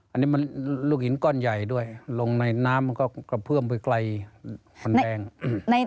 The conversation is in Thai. อันนี้มันลูกหินก้อนใหญ่ด้วยลงในน้ำก็กระเพื้อมไว้ไกล